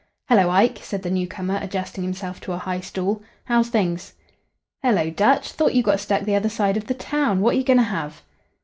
"Hello, Ike," said the newcomer, adjusting himself to a high stool. "How's things?" "Hello, Dutch. Thought you got stuck the other side of the town. What are you going to have?"